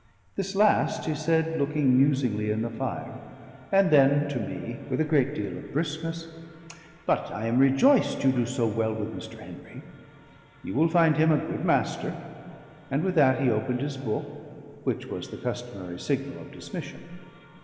This last he said looking musingly in the fire; and then to me, with a great deal of briskness, "But I am rejoiced you do so well with Mr. Henry. You will find him a good master." And with that he opened his book, which was the customary signal of dismission.